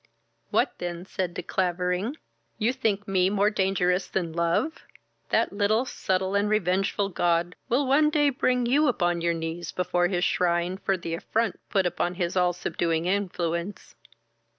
"What, then, (said De Clavering) you think me more dangerous than love? That little, subtle, and revengeful god will one day bring you upon your knees before his shrine for the affront put upon his all subduing influence."